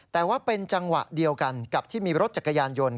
แต่ว่าเป็นจังหวะเดียวกันกับที่มีรถจักรยานยนต์